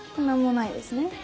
なんもないですね。